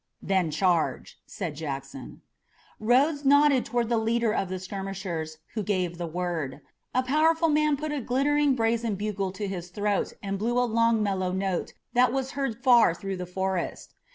"Then charge," said Jackson. Rodes nodded toward the leader of the skirmishers, who gave the word. A powerful man put a glittering brazen bugle to his throat and blew a long, mellow note that was heard far through the forest.